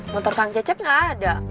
motor kang cecep nggak ada